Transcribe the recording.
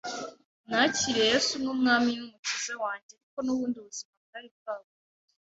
nakiriye Yesu nk’umwami n’umukiza wanjye ariko nubundi ubuzima bwari bwa bundi